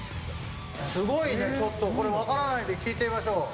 すごいね、ちょっと、これ分からないんで、聞いてみましょう。